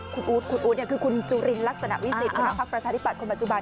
คุณอู๊ดคุณอู๊ดคือคุณจุลินลักษณะวิสิทธิหัวหน้าภักดิ์ประชาธิบัตย์คนปัจจุบัน